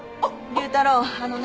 龍太郎あのね。